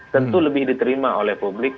tentu lebih diterima oleh publik